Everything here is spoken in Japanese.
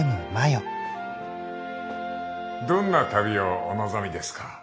どんな旅をお望みですか？